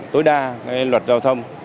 đối đa luật giao thông